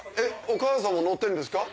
お母さんも乗ってるんですか？